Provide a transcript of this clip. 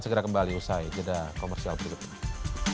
segera kembali usai jeda komersial berikut ini